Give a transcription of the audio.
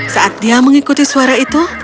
saat dia mengikuti suara itu